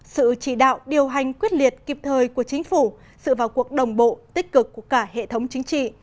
sự chỉ đạo điều hành quyết liệt kịp thời của chính phủ sự vào cuộc đồng bộ tích cực của cả hệ thống chính trị